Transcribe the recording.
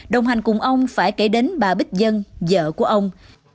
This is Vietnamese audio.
đồng hành cùng ông phải kể đến bà bích dân vợ của ông